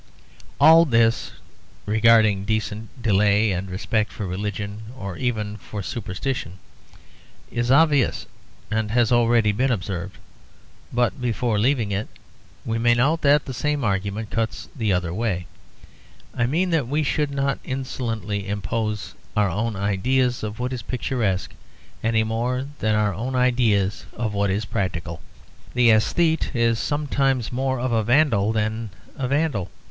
All this, regarding a decent delay and respect for religion or even for superstition, is obvious and has already been observed. But before leaving it, we may note that the same argument cuts the other way; I mean that we should not insolently impose our own ideas of what is picturesque any more than our own ideas of what is practical. The aesthete is sometimes more of a vandal than the vandal.